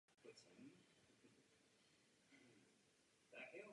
Oficiální email pošlu večer i s informacemi o prezentacích projektů.